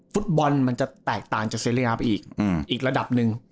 ฟุตบอลมันจะแตกต่างจากเซเรียไปอีกอีกระดับหนึ่ง